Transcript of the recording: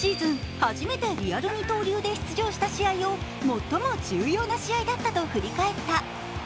初めてリアル二刀流で出場した試合を最も重要な試合だったと振り返った。